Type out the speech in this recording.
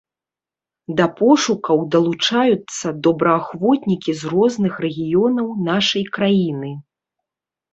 Да пошукаў далучаюцца добраахвотнікі з розных рэгіёнаў нашай краіны.